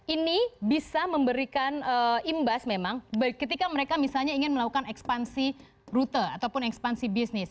ini bisa memberikan imbas memang ketika mereka misalnya ingin melakukan ekspansi rute ataupun ekspansi bisnis